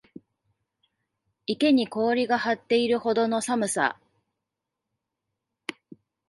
池に氷が張っているほどの寒さ